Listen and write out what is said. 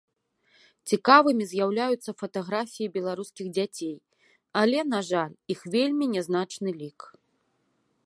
Цікавымі з'яўляюцца фатаграфіі беларускіх дзяцей, але, на жаль, іх вельмі нязначны лік.